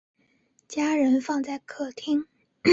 家人放在客厅